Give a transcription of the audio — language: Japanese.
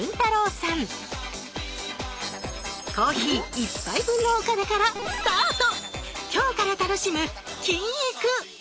コーヒー一杯分のお金からスタート！